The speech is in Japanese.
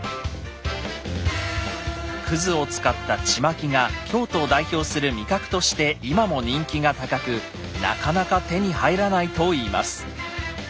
くずを使ったちまきが京都を代表する味覚として今も人気が高くなかなか手に入らないといいます。